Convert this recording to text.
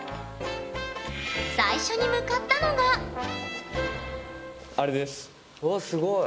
最初に向かったのがわあすごい。